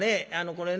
これね